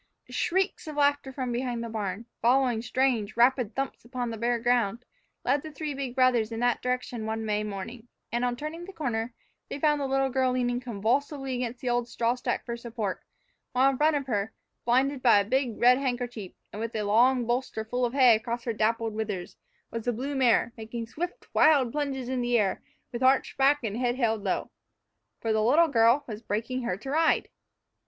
SHRIEKS of laughter from behind the barn, following strange, rapid thumps upon the bare ground, led the three big brothers in that direction one May morning, and, on turning the corner, they found the little girl leaning convulsively against the old straw stack for support, while in front of her, blinded by a big, red handkerchief, and with a long bolster full of hay across her dappled withers, was the blue mare, making stiff, wild plunges into the air, with arched back and head held low. For the little girl was breaking her to ride!